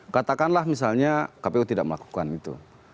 katakanlah misalnya kpu tidak melakukan itu